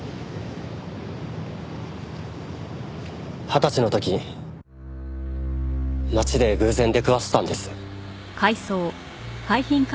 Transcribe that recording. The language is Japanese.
二十歳の時街で偶然出くわしたんです。